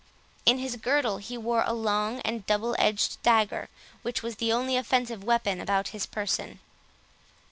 In his girdle he wore a long and double edged dagger, which was the only offensive weapon about his person.